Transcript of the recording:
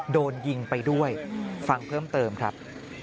โดนยิงไปด้วยฟังเพิ่มเติมครับ